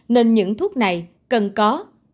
nên những thuốc này cần có